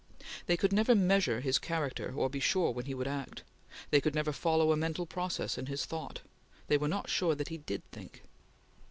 They could never measure his character or be sure when he would act. They could never follow a mental process in his thought. They were not sure that he did think.